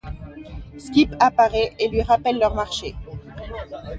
Skip apparaît et lui rappelle leur marché.